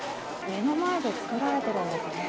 目の前で作られているんですね。